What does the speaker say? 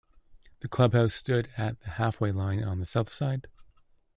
The club house stood at the halfway line on the south side.